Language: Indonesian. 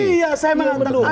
iya saya mengatakan